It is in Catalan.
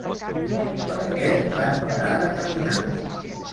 Per què van parar de caminar?